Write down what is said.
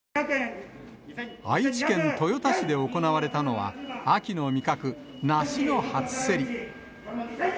愛知県豊田市で行われたのは、秋の味覚、梨の初競り。